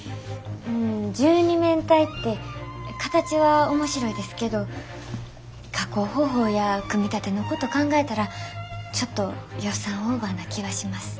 十二面体って形は面白いですけど加工方法や組み立てのこと考えたらちょっと予算オーバーな気はします。